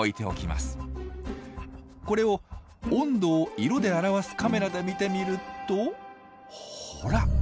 これを温度を色で表すカメラで見てみるとほら。